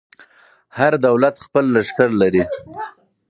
هر دولت خپل لښکر لري.